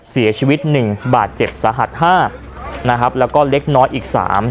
เสียชีวิตหนึ่งบาทเจ็บสหัสห้านะครับแล้วก็เล็กน้อยอีกสาม